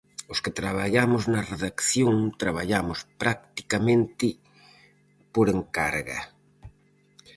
Os que traballamos na redacción traballamos practicamente por encarga.